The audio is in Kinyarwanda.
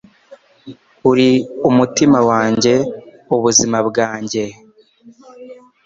Uri umutima wanjye ubuzima bwanjye